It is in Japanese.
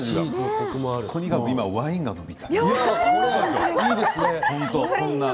とにかく今ワインが飲みたい。